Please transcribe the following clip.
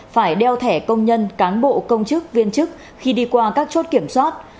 phải đeo thẻ công nhân cán bộ công chức viên chức khi đi qua các chốt kiểm soát